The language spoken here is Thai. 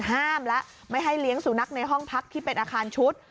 ห้ามแล้วไม่ให้เลี้ยงสุนัขในห้องพักที่เป็นอาคารชุด